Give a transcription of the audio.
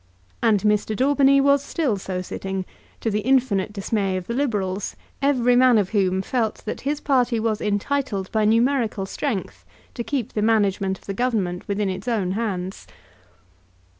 And Mr. Daubeny was still so sitting, to the infinite dismay of the Liberals, every man of whom felt that his party was entitled by numerical strength to keep the management of the Government within its own hands.